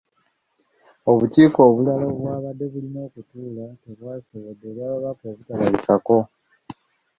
Obukiiko obulala obwabadde bulina okutuula tebwasobodde olw'ababaka obutalabikako.